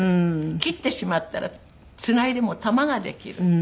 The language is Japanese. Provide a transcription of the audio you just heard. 切ってしまったらつないでも玉ができる。